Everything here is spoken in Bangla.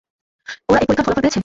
ওরা এই পরীক্ষার ফলাফল পেয়েছে?